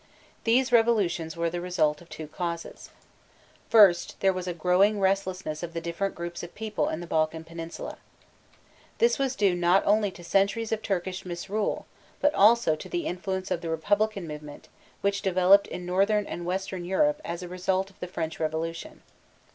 These revolutions were the result of two causes. First there was a growing restlessness of the different groups of people in the Balkan peninsula. This was due not only to centuries of Turkish misrule, but also to the influence of the republican movement which developed in northern and western Europe as a result of the French Revolution.